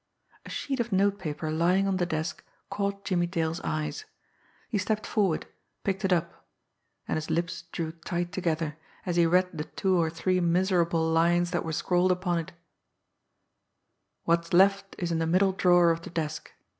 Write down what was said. A sheet of note paper lying on the desk caught Jimmie Dale's eyes. He stepped forward, picked it up and his lips drew tight together, as he read the two or three miserable lines that were scrawled upon it: What's left is in the middle drawer of the desk.